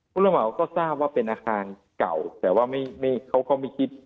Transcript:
ระเหมาก็ทราบว่าเป็นอาคารเก่าแต่ว่าเขาก็ไม่คิด